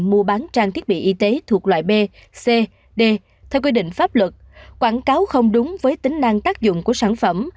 mua bán trang thiết bị y tế thuộc loại b c d theo quy định pháp luật quảng cáo không đúng với tính năng tác dụng của sản phẩm